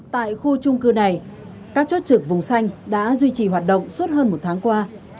tại khu trung cư này các chốt trực vùng xanh đã duy trì hoạt động suốt hơn một tháng qua